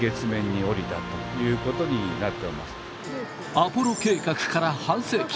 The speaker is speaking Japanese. アポロ計画から半世紀。